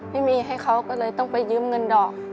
ไม่มีให้เขาก็เลยต้องไปยืมเงินดอก